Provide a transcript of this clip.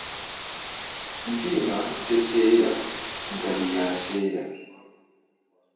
Mpiima teseera mugabi yaseera .